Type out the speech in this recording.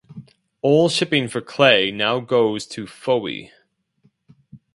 All shipping for clay now goes to Fowey.